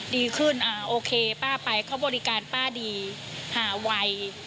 ดีขึ้นโอเคป้าไปเขาบริการป้าดีหาไว